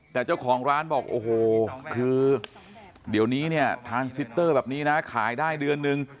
แต่เจ้าของร้านบอกโอ้โหคือเดี๋ยวนี้เนี่ยทานซิตเตอร์แบบนี้นะขายได้เดือนนึง